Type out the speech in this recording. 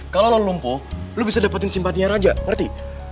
kalo lo lumpuh lo bisa dapetin simpatinya raja ngerti